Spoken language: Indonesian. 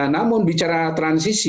namun bicara transisi